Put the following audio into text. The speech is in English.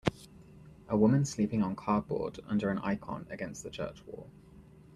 a woman sleeping on cardboard under an icon against the church wall